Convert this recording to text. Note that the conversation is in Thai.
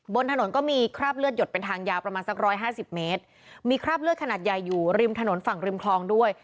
บนถนนก็มีคราบเลือดหยดเป็นทางยาวประมาณสักร้อยห้าสิบเมตรมีคราบเลือดขนาดใหญ่อยู่ริมถนนฝั่งริมคลองด้วย